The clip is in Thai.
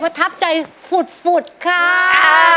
วัทธับใจฝุดฝุดค่า